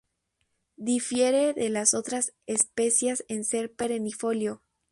Difiere de las otras especias en ser perennifolio.